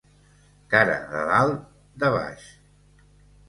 Cara de dalt, de baix.